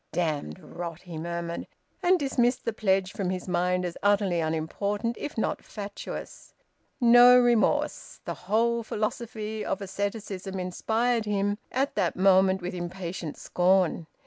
"Damned rot!" he murmured, and dismissed the pledge from his mind as utterly unimportant, if not indeed fatuous. No remorse! The whole philosophy of asceticism inspired him, at that moment, with impatient scorn.